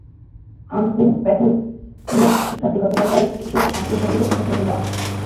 Unseen প্যাসেজপ্রিয় শিক্ষার্থী, গতকাল দেওয়া ইংরেজি বিষয়ের আনসিন প্যাসেজের প্রশ্নোত্তর দেওয়া হলো।